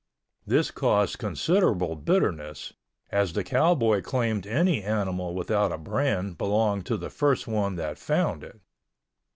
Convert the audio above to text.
This caused considerable bitterness, as the cowboy claimed any animal without a brand belonged to the first one that found it.